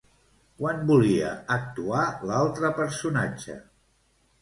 Quan volia actuar l'altre personatge?